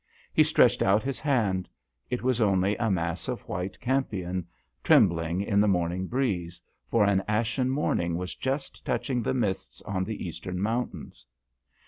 He stretched out his hand ; it was only a mass of white campion trembling in the morning breeze, for an ashen morning was just touching the mists on the eastern mountains.